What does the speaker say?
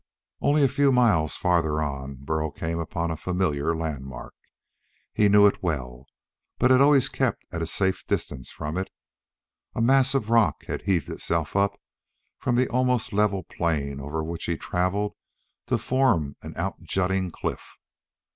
Only a few miles farther on, Burl came upon a familiar landmark. He knew it well, but had always kept at a safe distance from it. A mass of rock had heaved itself up from the almost level plain over which he traveled to form an out jutting cliff.